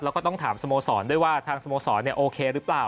แล้วก็ต้องถามสโมสรด้วยว่าทางสโมสรโอเคหรือเปล่า